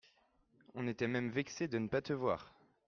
On était même vexé de ne pas te voir.